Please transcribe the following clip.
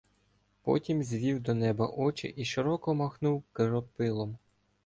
Потім звів до неба очі і широко махнув кропилом: